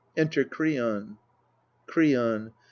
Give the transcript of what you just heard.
Enter KREON Kreon.